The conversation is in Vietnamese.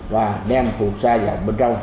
và đem phù sa vào bên trong